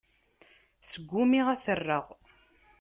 Sgumiɣ ad t-rreɣ.